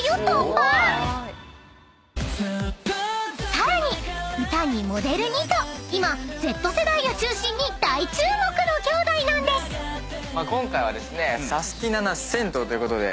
［さらに歌にモデルにと今Ｚ世代を中心に大注目の兄弟なんです］ということで。